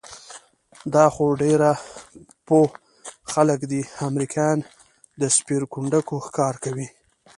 دا خو ډېر پوه خلک دي، امریکایان د سپېرکونډکو ښکار کوي؟